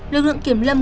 lực lượng kiểm lâm